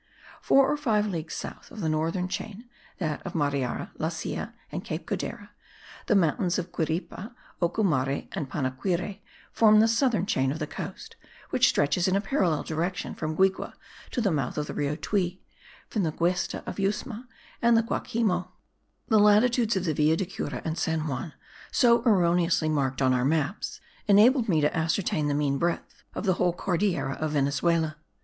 Four or five leagues south of the northern chain (that of Mariara, La Silla and Cape Codera) the mountains of Guiripa, Ocumare and Panaquire form the southern chain of the coast, which stretches in a parallel direction from Guigue to the mouth of the Rio Tuy, by the Guesta of Yusma and the Guacimo. The latitudes of the Villa de Cura and San Juan, so erroneously marked on our maps, enabled me to ascertain the mean breadth of the whole Cordillera of Venezuela.